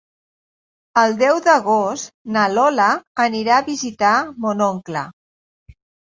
El deu d'agost na Lola anirà a visitar mon oncle.